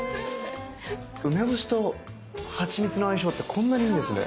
梅干しとはちみつの相性ってこんなにいいんですね。